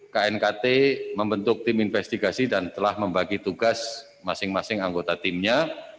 knkt membentuk tim investigasi dan telah membagi tugas masing masing anggota timnya